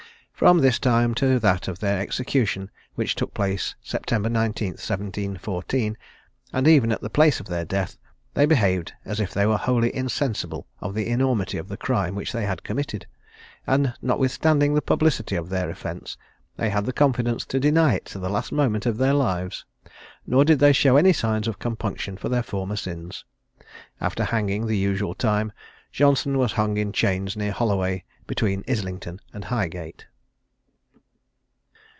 From this time to that of their execution, which took place September 19th 1714, and even at the place of their death, they behaved as if they were wholly insensible of the enormity of the crime which they had committed; and notwithstanding the publicity of their offence, they had the confidence to deny it to the last moment of their lives: nor did they show any signs of compunction for their former sins. After hanging the usual time, Johnson was hung in chains near Holloway, between Islington and Highgate.